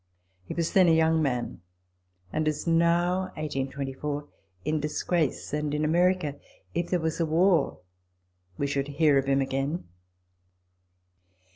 He was then a young man, and is now (1824) in disgrace and in America. If there was a war we should hear of him again.